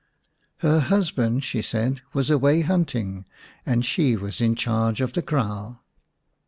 Her husband, she said, was away hunting and she was in charge of the kraal.